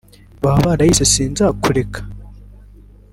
bababa barayise Sinzakureka